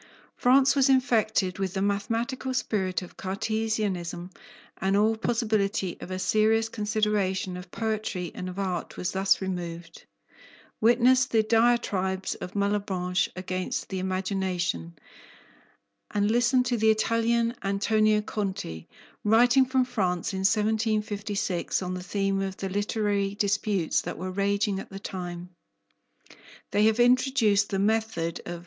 France was infected with the mathematical spirit of Cartesianism and all possibility of a serious consideration of poetry and of art was thus removed. Witness the diatribes of Malebranche against the imagination, and listen to the Italian, Antonio Conti, writing from France in 1756 on the theme of the literary disputes that were raging at the time: "They have introduced the method of M.